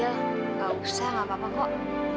gak usah gak apa apa kok